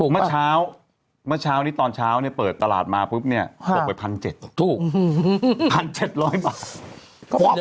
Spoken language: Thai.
เมื่อเช้านี้ตอนเช้าเนี่ยเปิดตลาดมาปุ๊บเนี่ยตกไป๑๗๐๐บาท